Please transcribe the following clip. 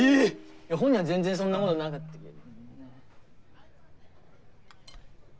いや本人は全然そんなことなかったけど。